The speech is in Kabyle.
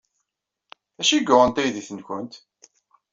D acu ay yuɣen taydit-nwent?